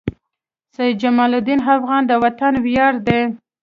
سيد جمال الدین افغان د وطن وياړ دي.